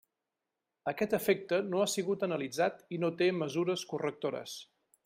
Aquest efecte no ha sigut analitzat i no té mesures correctores.